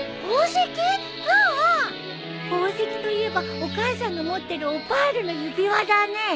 宝石といえばお母さんの持ってるオパールの指輪だね。